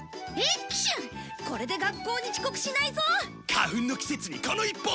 花粉の季節にこの１本！